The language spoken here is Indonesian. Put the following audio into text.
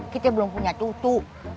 kita belom punya tutu